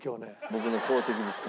僕の功績ですか？